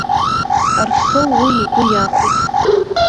Арсоу уи игәы иахәеит.